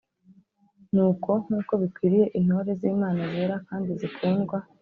Nuko nk’uko bikwiriye intore z’Imana zera kandi zikundwa